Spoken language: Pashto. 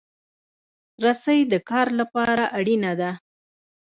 رسۍ د کار لپاره اړینه ده.